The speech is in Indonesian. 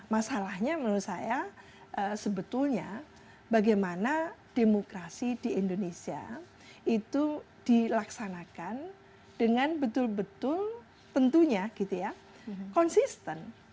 masalahnya menurut saya sebetulnya bagaimana demokrasi di indonesia itu dilaksanakan dengan betul betul tentunya gitu ya konsisten